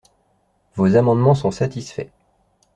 Vos amendements sont satisfaits.